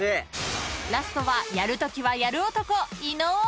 ［ラストはやるときはやる男］